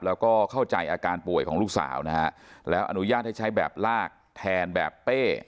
แล้วก็เข้าใจอาการป่วยของลูกสาวนะฮะแล้วอนุญาตให้ใช้แบบลากแทนแบบเป้